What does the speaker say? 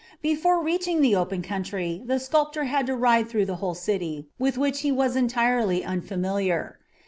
Before reaching the open country the sculptor had to ride through the whole city, with which he was entirely unfamiliar.